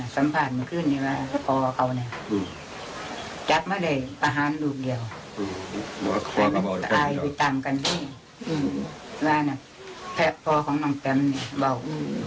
สังคมพูดความสงสัญห์ดับอุ้ยเฟ้ยป่องของน้องเป็นบ่าว